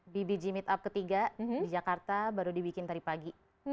bbg meetup ketiga di jakarta baru dibikin tadi pagi